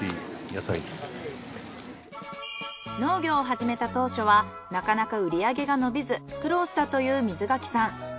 農業を始めた当初はなかなか売り上げが伸びず苦労したという水柿さん。